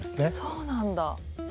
そうなんだ。